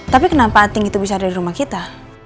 tapi kenapa anting itu bisa ada di rumah kita